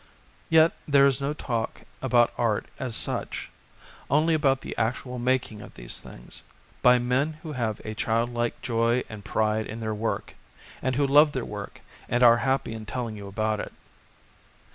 Yet there is no talk about art as such, only about the actual making of these things, by men who have a child like joy and pride in their work, and who love their work and are happy in telling you about it.